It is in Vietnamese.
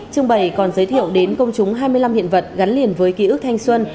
trưng bày còn giới thiệu đến công chúng hai mươi năm hiện vật gắn liền với ký ức thanh xuân